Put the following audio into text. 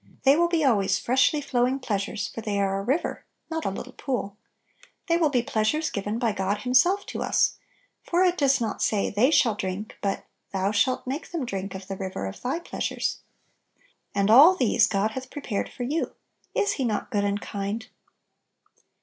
They will be always freshly flowing pleasures, for they are a river, not a little pool. They will be pleas ures given by God Himself to us, for it 88 Little Pillows. does not say "they shall drink/' but "Thou shalt make them drink of the river of Thy pleasures." And all these " God hath prepared M for you. ' Is He not good and kind